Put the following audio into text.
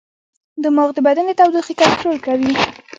دماغ د بدن د تودوخې کنټرول کوي.